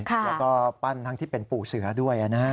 แล้วก็ปั้นทั้งที่เป็นปู่เสือด้วยนะฮะ